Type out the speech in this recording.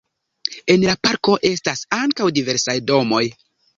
En la parko estas ankaŭ diversaj domoj.